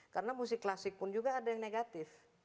karena musik klasik pun juga ada yang negatif